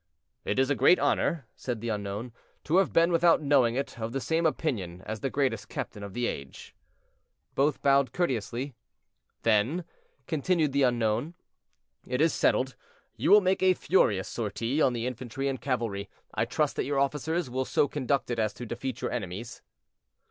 "It is a great honor," said the unknown, "to have been, without knowing it, of the same opinion as the greatest captain of the age." Both bowed courteously. "Then," continued the unknown, "it is settled: you will make a furious sortie on the infantry and cavalry. I trust that your officers will so conduct it as to defeat your enemies."